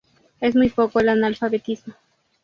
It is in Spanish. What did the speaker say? Es muy poco el analfabetismo.